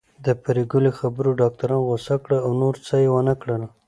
د پري ګلې خبرو ډاکټران غوسه کړل او نور څه يې ونکړل